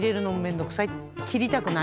切りたくない。